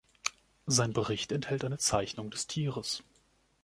Sein Bericht enthält eine Zeichnung des Tieres.